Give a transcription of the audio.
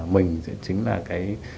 mình sẽ chính là